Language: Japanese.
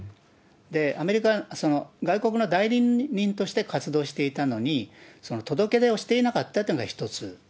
アメリカ、外国の代理人として活動していたのに、届け出をしていなかったというのが一つ。